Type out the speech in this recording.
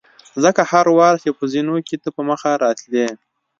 ځکه هر وار چې به په زینو کې ته په مخه راتلې.